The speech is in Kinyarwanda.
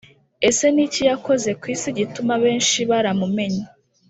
Ese ni iki yakoze ku isi gituma benshi baramumenye?